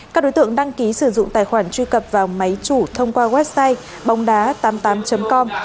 các đối tượng đăng ký sử dụng tài khoản truy cập vào máy chủ thông qua website bóng đá tám mươi tám com